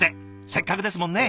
せっかくですもんね。